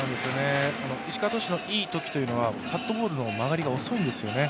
石川投手、いいときっていうのはカットボールの曲がりが遅いんですね。